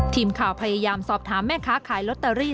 ทีมข่าวพยายามสอบถามแม่ค้าขายลอตเตอรี่